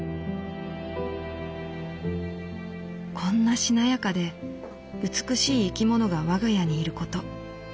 「こんなしなやかで美しい生き物が我が家にいること。